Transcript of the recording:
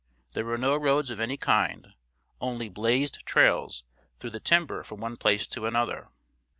There were no roads of any kind, only "blazed trails" through the timber from one place to another.